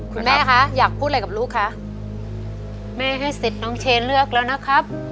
คุณแม่คะอยากพูดอะไรกับลูกคะแม่ให้สิทธิ์น้องเชนเลือกแล้วนะครับ